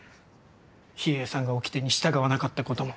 秘影さんがおきてに従わなかったことも。